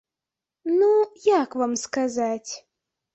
Ну, як вам сказаць?